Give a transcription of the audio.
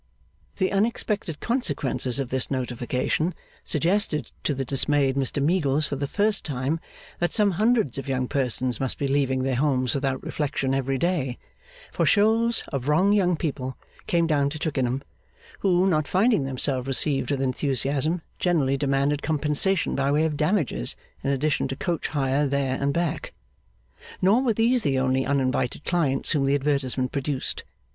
The unexpected consequences of this notification suggested to the dismayed Mr Meagles for the first time that some hundreds of young persons must be leaving their homes without reflection every day; for shoals of wrong young people came down to Twickenham, who, not finding themselves received with enthusiasm, generally demanded compensation by way of damages, in addition to coach hire there and back. Nor were these the only uninvited clients whom the advertisement produced.